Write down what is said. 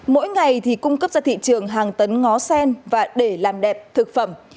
mỗi ngày thì cung cấp ra thị trường hàng tấn ngó sen và để làm đẹp thực phẩm